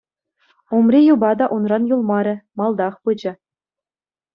Умри юпа та унран юлмарӗ, малтах пычӗ.